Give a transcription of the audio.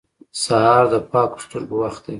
سهار د پاکو سترګو وخت دی.